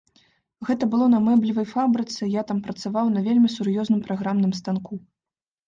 Гэта было на мэблевай фабрыцы, я там працаваў на вельмі сур'ёзным праграмным станку.